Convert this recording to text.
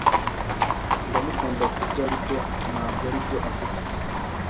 Ndamukunda kubyo aribyo, ntabwo aribyo afite.